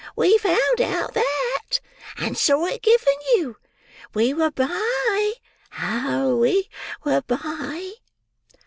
We found out that, and saw it given you. We were by. Oh! we were by."